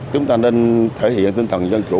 chúng ta nên thể hiện tinh thần dân chủ